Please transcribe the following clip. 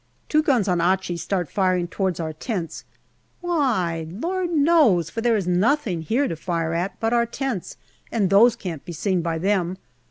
Two guns on Achi start firing towards our tents. Why ? Lord knows, for there is nothing here to fire at but our tents, and those can't be seen by them.